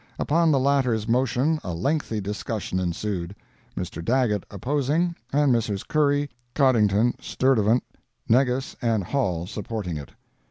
Upon the latter's motion a lengthy discussion ensued. Mr. Daggett opposing, and Messrs. Curry, Coddington, Sturtevant, Negus and Hall supporting it.